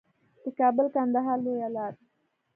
د کابل کندهار لویه لار